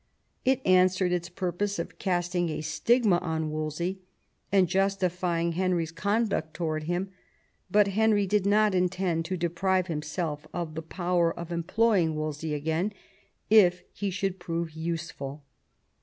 It answered its purpose of casting a stigma on Wolsey, and justifying Henry's conduct towards him ; but Henry did not intend to deprive himself of the power of employing Wolsey again if he should prove useful.